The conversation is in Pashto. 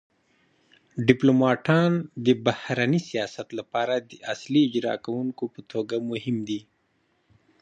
ډیپلوماتان د بهرني سیاست لپاره د اصلي اجرا کونکو په توګه مهم دي